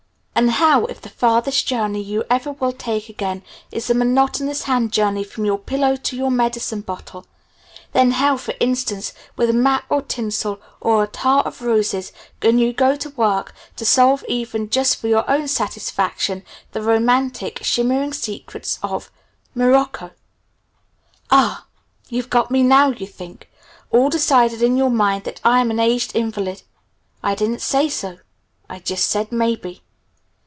And how, if the farthest journey you ever will take again is the monotonous hand journey from your pillow to your medicine bottle, then how, for instance, with map or tinsel or attar of roses, can you go to work to solve even just for your own satisfaction the romantic, shimmering secrets of Morocco? "Ah! You've got me now, you think? All decided in your mind that I am an aged invalid? I didn't say so. I just said 'maybe'.